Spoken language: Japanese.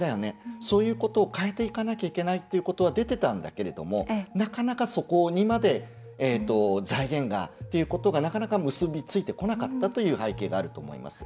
そういうことを変えていかなきゃいけないということは出てたんだけどもなかなか、そこにまで財源がっていうことがなかなか結び付いてこなかったという背景があると思います。